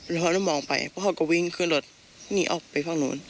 แล้วพอหนูมองไปเพราะเขาก็วิ่งคือรถหนีออกไปฝั่งโน้น